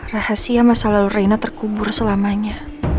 rahasia masa lalu raina terkubur selamanya